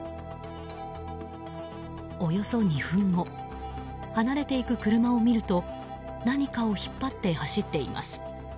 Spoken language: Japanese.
およそ２分後離れていく車を見ると何かを引っ張って走っていきます。